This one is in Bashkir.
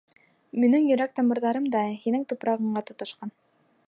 Минең йөрәк тамырҙарым да һинең тупрағыңа тоташҡан.